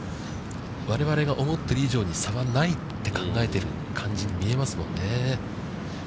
我々が思っている以上に差はないって考えてる感じにみえますもんね。